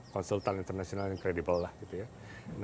konsultan internasional yang kredibel lah gitu ya